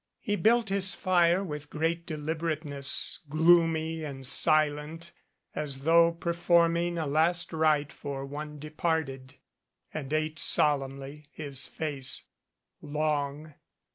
He built his fire with great deliberateness, gloomy and silent as though performing a last rite for one departed, and ate solemnly, his face long.